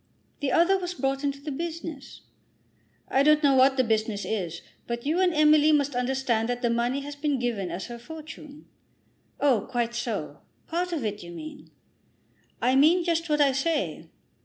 "The other was brought into the business." "I don't know what the business is. But you and Emily must understand that the money has been given as her fortune." "Oh, quite so; part of it, you mean." "I mean just what I say."